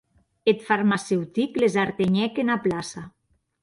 Eth farmaceutic les artenhèc ena plaça.